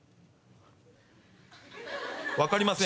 分かりません。